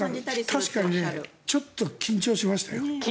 確かにちょっと緊張しましたよ。